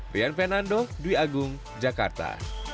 rian fernando dwi agung jakarta